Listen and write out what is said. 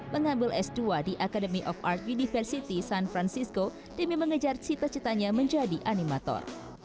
mengambil s dua di academy of art university san francisco demi mengejar cita citanya menjadi animator